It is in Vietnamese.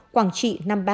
quảng trị năm mươi ba